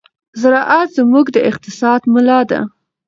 زراعت زموږ د اقتصاد ملا ده.